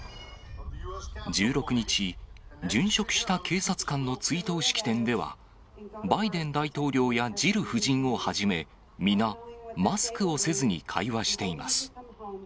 １６日、殉職した警察官の追悼式典では、バイデン大統領やジル夫人をはじめ、皆、マスクをせずに会話しています。